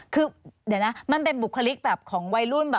คือเดี๋ยวนะมันเป็นบุคลิกแบบของวัยรุ่น